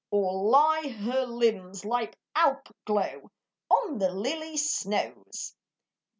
Or lie her limbs like Alp glow On the lily's snows?